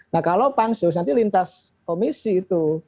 nah kalau pansus nanti lintas komisi itu